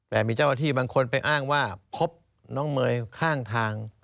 แต่มีเจ้าหน้าที่บางคนไปอ้างว่าพบน้องเมย์ข้างทาง